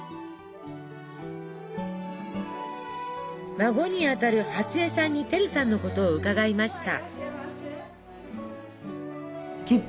孫にあたる初栄さんにてるさんのことを伺いました。